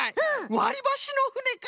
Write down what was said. わりばしのふねか！